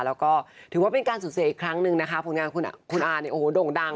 แล้วก็ถือว่าเป็นการสุขภาพอีกครั้งหนึ่งนะคะพลงงานของคุณอาโด่งดัง